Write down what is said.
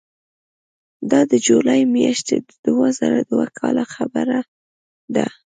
دا د جولای میاشتې د دوه زره دوه کاله خبره ده.